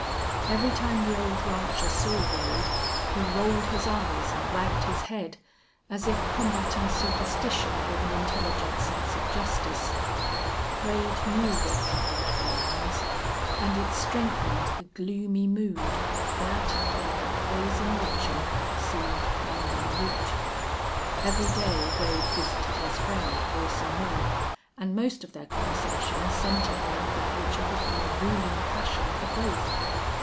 Every time the old rancher saw Wade he rolled his eyes and wagged his head, as if combating superstition with an intelligent sense of justice. Wade knew what troubled Belllounds, and it strengthened the gloomy mood that, like a poison lichen, seemed finding root. Every day Wade visited his friend Wilson Moore, and most of their conversation centered round that which had become a ruling passion for both.